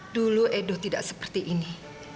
dulu edo tidak seperti ini